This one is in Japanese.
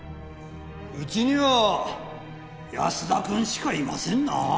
うちには安田くんしかいませんな。